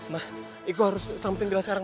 ma iko harus selamatin bella sekarang